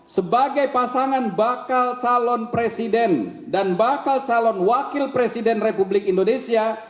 sebagai pasangan bakal calon presiden dan bakal calon wakil presiden republik indonesia